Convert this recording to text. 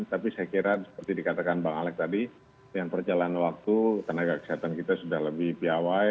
tapi saya kira seperti dikatakan bang alex tadi dengan perjalanan waktu tenaga kesehatan kita sudah lebih piawai